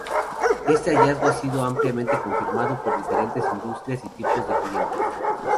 Este hallazgo ha sido ampliamente confirmado por diferentes industrias y tipos de clientes.